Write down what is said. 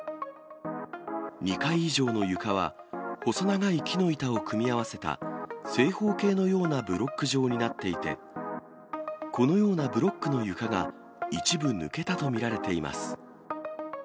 ２階以上の床は細長い木の板を組み合わせた正方形のようなブロック状になっていて、このようなブロックの床が一部抜けたと見られています。